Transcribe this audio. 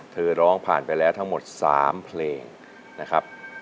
เธอร้องผ่านไปแล้วทั้งหมด๓เพลงนะครับ